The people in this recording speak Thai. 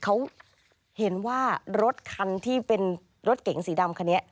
เขาเห็นว่ารถคันที่เป็นรถเก๋งสีดำคันนี้